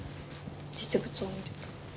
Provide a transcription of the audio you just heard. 実物を見ると。